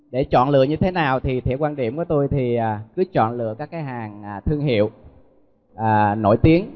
để chọn lựa như thế nào thì theo quan điểm của tôi thì cứ chọn lựa các cái hàng thương hiệu nổi tiếng